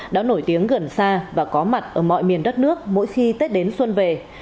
đã nổi tiếng gần xa và có mặt ở mọi miền đất nước mỗi khi tết đến xuân về